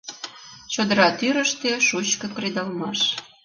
Чодыра тӱрыштӧ шучко кредалмаш